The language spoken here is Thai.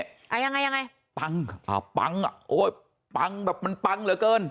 อ่ายังไงยังไงปังอ่าปังอ่ะโอ้ยปังแบบมันปังเหลือเกิน